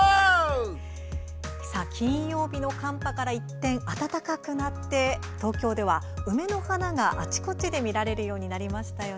金曜日の寒波から一転、暖かくなって東京では梅の花があちこちで見られるようになりました。